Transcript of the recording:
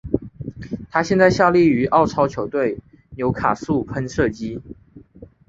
他现在效力于澳超球队纽卡素喷射机。